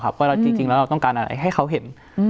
ว่าจริงแล้วเราต้องการอะไรให้เขาเห็น